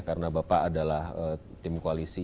karena bapak adalah tim koalisi